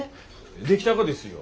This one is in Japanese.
出来たがですよ。